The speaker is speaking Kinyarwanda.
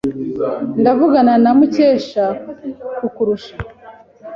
Ndavugana na Mukesha kukurusha.